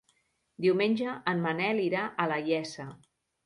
Diumenge en Manel irà a la Iessa.